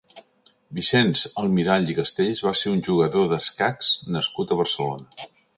Vicenç Almirall i Castells va ser un jugador d'escacs nascut a Barcelona.